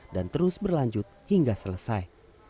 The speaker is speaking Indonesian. dan terus berlanjut hingga selesai